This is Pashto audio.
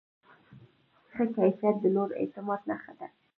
ښه کیفیت د لوړ اعتماد نښه ده.